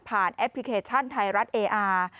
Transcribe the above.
แอปพลิเคชันไทยรัฐเออาร์